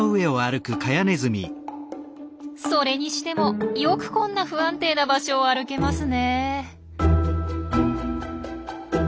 それにしてもよくこんな不安定な場所を歩けますね。